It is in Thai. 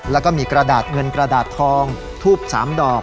แล้วก็มีกระดาษเงินกระดาษทองทูบ๓ดอก